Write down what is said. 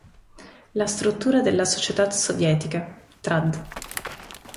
La struttura della società sovietica," trad.